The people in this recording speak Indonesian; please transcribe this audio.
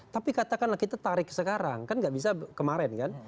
tapi katakanlah kita tarik sekarang kan nggak bisa kemarin kan